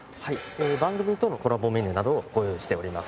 番組等のコラボメニューなどをご用意しております。